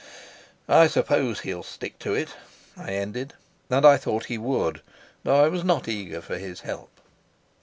"I suppose he'll stick to it," I ended; and I thought he would, though I was not eager for his help.